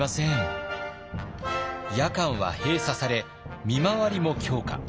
夜間は閉鎖され見回りも強化。